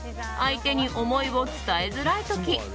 相手に思いを伝えづらい時。